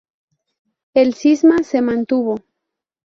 El cisma se mantuvo.